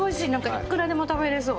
いくらでも食べれそう。